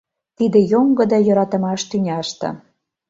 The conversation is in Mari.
Тиде йоҥгыдо йӧратымаш тӱняште.